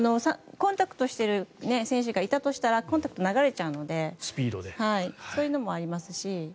コンタクトしてる選手がいたとしたらコンタクトが流れちゃうのでそういうのもありますし。